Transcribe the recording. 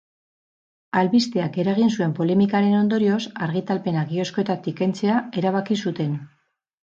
Albisteak eragin zuen polemikaren ondorioz, argitalpena kioskoetatik kentzea erabaki zuten.